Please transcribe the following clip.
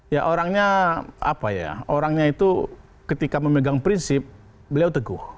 ya orangnya apa ya orangnya itu ketika memegang prinsip beliau teguh